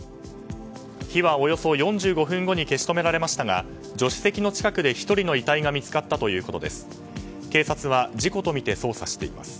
火はおよそ４５分後に消し止められましたが助手席の近くで１人の遺体が見つかったということです。